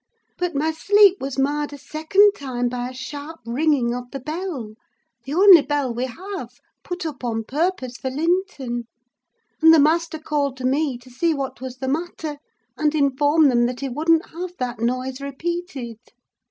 But my sleep was marred a second time by a sharp ringing of the bell—the only bell we have, put up on purpose for Linton; and the master called to me to see what was the matter, and inform them that he wouldn't have that noise repeated.